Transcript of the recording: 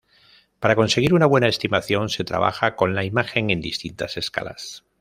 Para conseguir una buena estimación se trabaja con la imagen en distintas escalas.